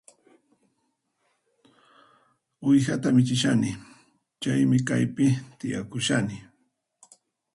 Uwihata michishani, chaymi kaypi tiyakushani